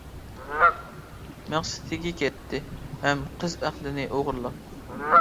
مەقسىتىگە يەتتى ھەم، قىز ئەقلىنى ئوغرىلاپ.